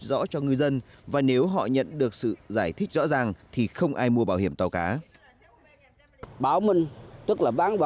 rõ cho ngư dân và nếu họ nhận được sự giải thích rõ ràng thì không ai mua bảo hiểm tàu cá